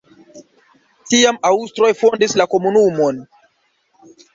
Tiam aŭstroj fondis la komunumon.